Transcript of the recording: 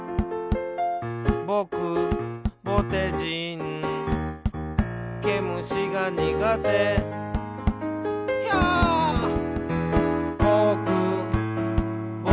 「ぼくぼてじん」「けむしがにがて」「ひゃっ」「ぼくぼてじん」